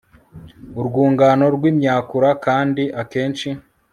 urwungano rwimyakura kandi akenshi